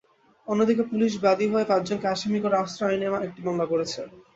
অন্যদিকে, পুলিশ বাদী হয়ে পাঁচজনকে আসামি করে অস্ত্র আইনে আরেকটি মামলা করেছে।